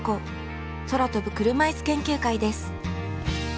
空飛ぶ車いす研究会です。